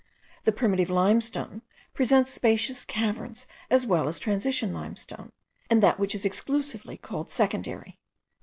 The primitive limestone presents spacious caverns as well as transition limestone,* and that which is exclusively called secondary.